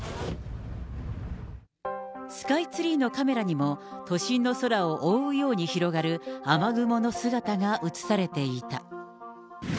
スカイツリーのカメラにも、都心の空を覆うように広がる雨雲の姿が写されていた。